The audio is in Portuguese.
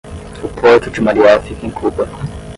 O Porto de Mariel fica em Cuba